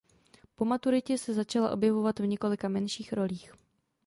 Po maturitě se začala objevovat v několika menších rolích.